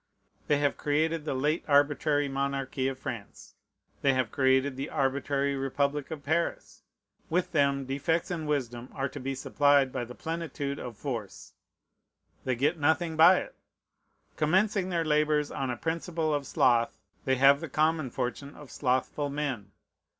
They have created the late arbitrary monarchy of France. They have created the arbitrary republic of Paris. With them defects in wisdom are to be supplied by the plenitude of force. They get nothing by it. Commencing their labors on a principle of sloth, they have the common fortune of slothful men.